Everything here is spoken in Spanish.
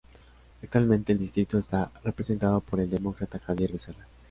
Actualmente el distrito está representado por el Demócrata Xavier Becerra.